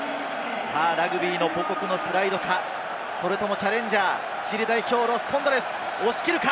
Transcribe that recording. ラグビーの母国のプライドか、それともチャレンジャー、チリ代表ロス・コンドレス、押し切るか。